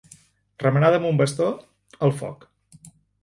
Remenada amb un bastó, al foc.